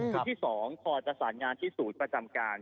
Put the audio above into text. ที่๒พอจะสารงานที่ศูนย์ประจำการ